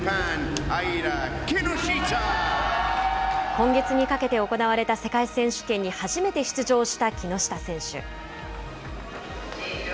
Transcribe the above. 今月にかけて行われた世界選手権に初めて出場した木下選手。